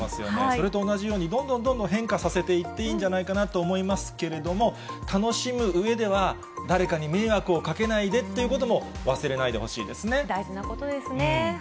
それと同じように、どんどんどんどん変化させていっていいんじゃないかなと思いますけれども、楽しむうえでは、誰かに迷惑をかけないでっていうことも、大事なことですね。